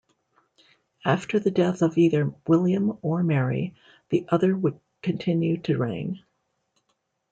After the death of either William or Mary, the other would continue to reign.